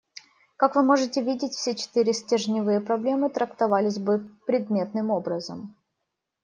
Как вы можете видеть, все четыре стержневые проблемы трактовались бы предметным образом.